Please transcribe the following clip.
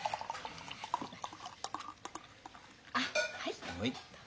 あっはい。